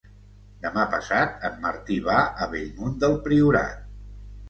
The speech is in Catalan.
Demà passat en Martí va a Bellmunt del Priorat.